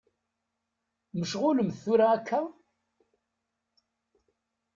Mecɣulemt tura akka?